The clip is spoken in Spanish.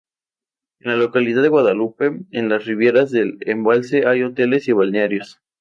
En la localidad de Guadalupe, en las riberas del embalse hay hoteles y balnearios.